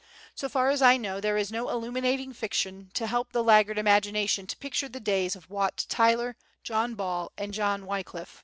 So far as I know there is no illuminating fiction to help the laggard imagination to picture the days of Wat Tyler, John Ball and John Wyclif.